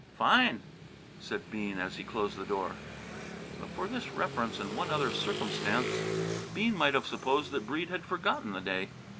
"Fine!" said Bean, as he closed the door. But for this reference and one other circumstance Bean might have supposed that Breede had forgotten the day.